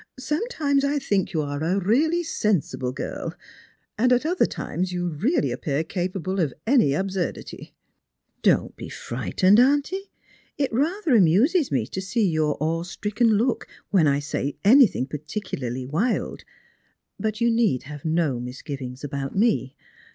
"Sometimes I think you are a thoroughly sensible girl, and at other times you really appear capable of any absurdity." 84 Strangers and Pilgrims. " Don't be frightened, auntie. It rather amuses me to see your awe stricken look when I say anything particularly wild. But you need have no misgivings about me.